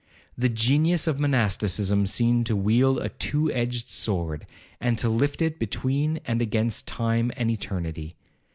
The genius of monasticism seemed to wield a two edged sword, and to lift it between and against time and eternity.